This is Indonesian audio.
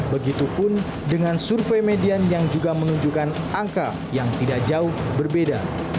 begitupun dengan survei median yang juga menunjukkan angka yang tidak jauh berbeda